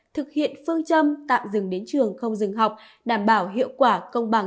thực hiện phương châm tạm dừng đến trường không dừng học đảm bảo hiệu quả công bằng